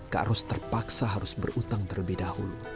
kak ros terpaksa harus berutang terlebih dahulu